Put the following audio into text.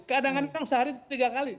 kadang kadang sehari tiga kali